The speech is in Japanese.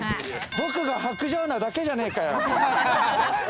僕が薄情なだけじゃねえかよ！